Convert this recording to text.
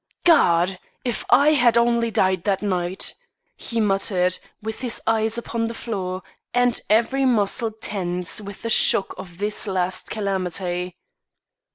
"God! if I had only died that night!" he muttered, with his eyes upon the floor and every muscle tense with the shock of this last calamity.